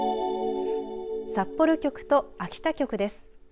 札幌局と秋田局です。